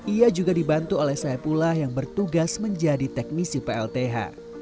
ia juga dibantu oleh saya pula yang bertugas menjadi teknisi plth